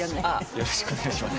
よろしくお願いします。